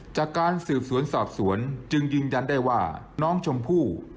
จากการสืบสวนสอบสวนจึงยืนยันได้ว่าน้องชมพู่